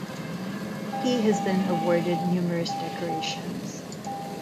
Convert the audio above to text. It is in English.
He has been awarded numerous decorations.